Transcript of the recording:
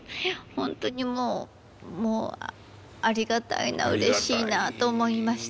本当にもうもうありがたいなうれしいなと思いました。